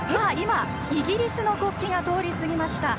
今、イギリスの国旗が通りました。